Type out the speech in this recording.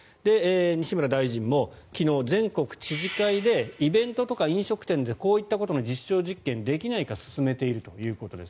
西村大臣も昨日、全国知事会でイベントとか飲食店でこういったことの実証実験ができないか進めているということです。